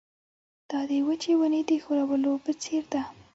دا د وچې ونې د ښورولو په څېر ده.